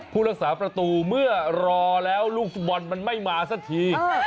ผู้รักษาประตูเมื่อรอแล้วลูกฟุตบอลมันไม่มาสักที